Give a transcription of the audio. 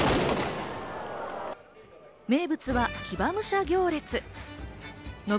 名物は騎馬武者行列。